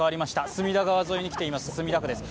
隅田川沿いに来ています、墨田区です。